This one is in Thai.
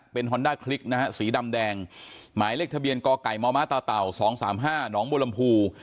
เป็นฮอนด้าคลิกนะฮะสีดำแดงหมายเลขทะเบียนกไก่มมตเต่า๒๓๕หนองบัวลำพู